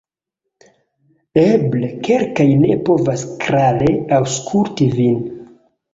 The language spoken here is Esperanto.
Eble kelkaj ne povas klare aŭskulti vin